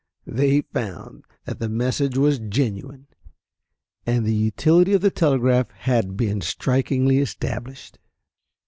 They found that the message was genuine, and the utility of the telegraph had been strikingly established.